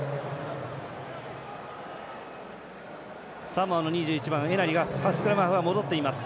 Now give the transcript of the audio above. サモアの２１番、エナリスクラムハーフに戻っています。